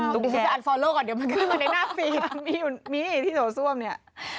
ตุ๊กแกมีที่โถส้วมนี่